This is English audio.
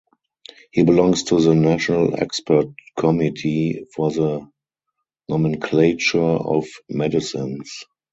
He belongs to the national expert committee for the nomenclature of medicines.